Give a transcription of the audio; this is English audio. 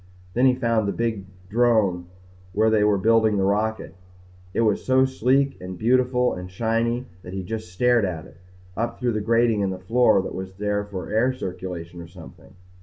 Then he found the big drome where they were building the rocket. It was so sleek and beautiful and shiny that he just stared at it up through the grating in the floor that was for air circulation or something.